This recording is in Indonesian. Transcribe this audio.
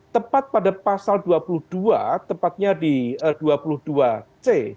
tepat pada pasal dua puluh dua tepatnya di dua puluh dua c